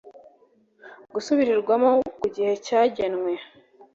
Gisubirwamo ku gihe cyagenwe